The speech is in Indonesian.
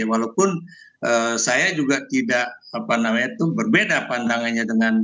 walaupun saya juga tidak apa namanya itu berbeda pandangannya dengan bekasi